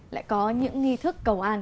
lại có những nghi thức cầu an